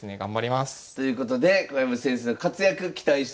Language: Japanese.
ということで小山先生の活躍期待しております。